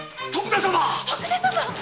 徳田様‼